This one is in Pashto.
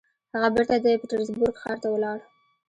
هغه بېرته د پيټرزبورګ ښار ته ولاړ.